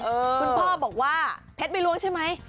คุณพ่อบอกว่าเพชรไม่ล้วงใช่ไหม